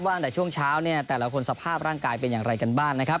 ตั้งแต่ช่วงเช้าเนี่ยแต่ละคนสภาพร่างกายเป็นอย่างไรกันบ้างนะครับ